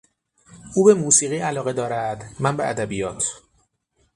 او به موسیقی علاقه دارد، من به ادبیات.